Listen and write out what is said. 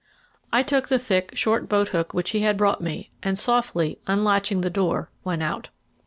I took the thick, short boat hook which he had brought me and, softly unlatching the door, went out.